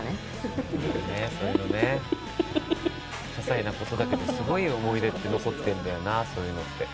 些細な事だけどすごい思い出って残ってるんだよなそういうのって。